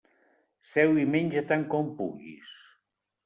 Seu i menja tant com puguis.